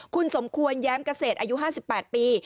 คุณสมควรแย้มเกษตรอายุ๕๘ปี